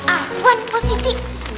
ah wan positi